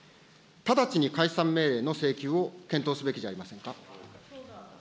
直ちに解散命令の請求を検討すべきじゃありませんか。